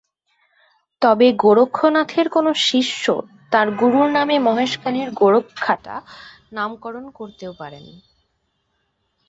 তবে গোরক্ষনাথের কোনো শিষ্য তাঁর গুরুর নামে মহেশখালীর গোরখঘাটা নামকরণ করতেও পারেন।